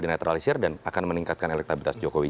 dinetralisir dan akan meningkatkan elektabilitas jokowi